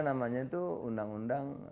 namanya itu undang undang